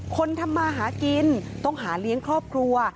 คนทำมาหากินต้องหาเลี้ยงครอบครัว